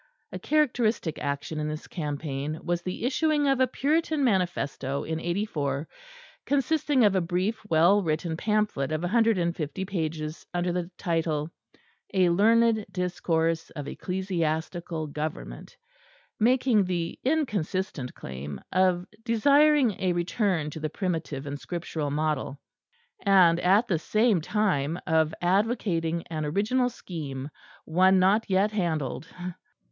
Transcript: A characteristic action in this campaign was the issuing of a Puritan manifesto in '84, consisting of a brief, well written pamphlet of a hundred and fifty pages under the title "A Learned Discourse of Ecclesiastical Government," making the inconsistent claim of desiring a return to the Primitive and Scriptural model, and at the same time of advocating an original scheme, "one not yet handled."